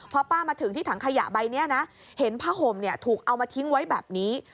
พอป้ามาถึงที่ถังขยะใบนี้นะเห็นผ้าห่มถูกเอามาทิ้งไว้แบบนี้